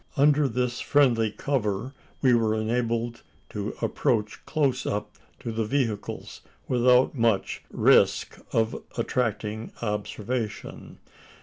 Under this friendly cover we were enabled to approach close up to the vehicles, without much risk of attracting observation.